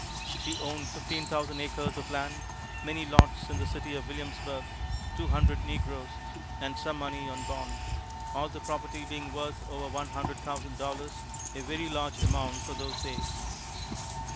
She owned fifteen thousand acres of land, many lots in the city of Williamsburg, two hundred negroes, and some money on bond; all the property being worth over one hundred thousand dollars a very large amount for those days.